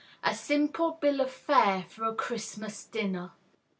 A Simple Bill of Fare for a Christmas Dinner.